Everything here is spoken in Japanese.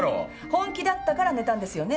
本気だったから寝たんですよね？